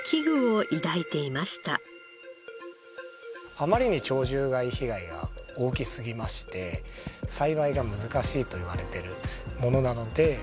あまりに鳥獣害被害が大きすぎまして栽培が難しいといわれてるものなので。